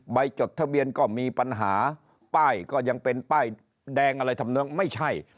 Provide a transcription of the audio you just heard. จดทะเบียนก็มีปัญหาป้ายก็ยังเป็นป้ายแดงอะไรทำเนืองไม่ใช่